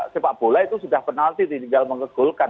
sepak bola itu sudah penalti tinggal mengegulkan